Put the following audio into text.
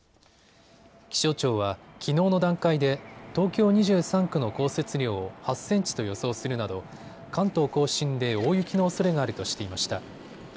気象庁は、きのうの段階で、東京２３区の降雪量を８センチと予想するなど関東甲信で大雪のおそれがあるとしていました。